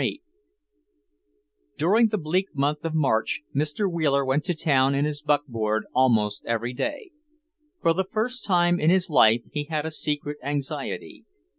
VIII During the bleak month of March Mr. Wheeler went to town in his buckboard almost every day. For the first time in his life he had a secret anxiety.